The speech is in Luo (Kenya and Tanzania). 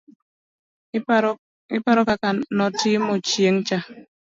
iparo kaka notimo chieng' cha?,